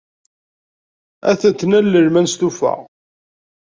Ad t-nalel ma nestufa.